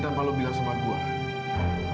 tapi sebenernya dia bisa daya